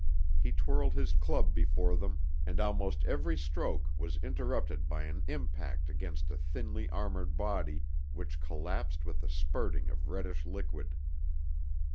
He twirled his club before him, and almost every stroke was interrupted by an impact against a thinly armoured body which collapsed with a spurting of reddish liquid.